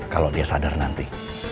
kalo dia sadar nanti